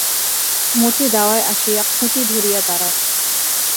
মতি দাওয়ায় আসিয়া খুঁটি ধরিয়া দাড়ায়।